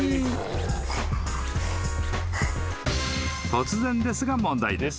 ［突然ですが問題です］